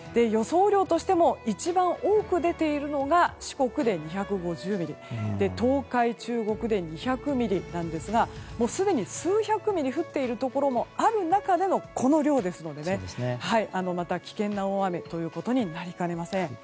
雨量としても一番多く出ているのが四国で２５０ミリ東海、中国で２００ミリなんですがすでに数百ミリ降っているところもある中でのこの量ですので危険な大雨となりかねません。